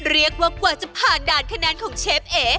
เรียกว่ากว่าจะผ่านด่านคะแนนของเชฟเอ๋